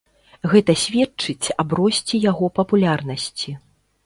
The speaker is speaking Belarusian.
Гэта сведчыць аб росце яго папулярнасці.